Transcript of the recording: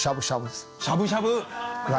しゃぶしゃぶ！